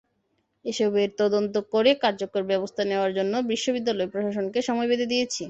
এসবের তদন্ত করে কার্যকর ব্যবস্থা নেওয়ার জন্য বিশ্ববিদ্যালয় প্রশাসনকে সময় বেঁধে দিয়েছি।